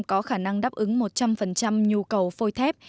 có khả năng đáp ứng một trăm linh nhu cầu phôi thép